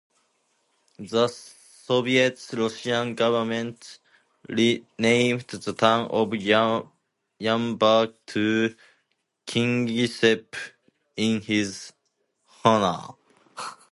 The Soviet Russian government renamed the town of Yamburg to "Kingisepp" in his honour.